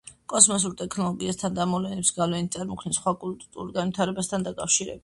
კოსმოსურ ტექნოლოგიასთან და ამ მოვლენების გავლენით წარმოქმნილ სხვა კულტურულ განვითარებასთან დაკავშირებით.